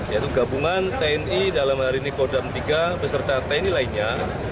yaitu gabungan tni dalam hari ini kodam tiga beserta tni lainnya